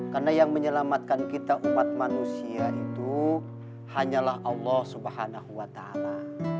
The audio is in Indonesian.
karena yang menyelamatkan kita umat manusia itu hanyalah allah subhanahu wa ta'ala